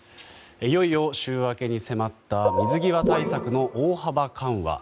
いよいよ週明けに迫った水際対策の大幅緩和。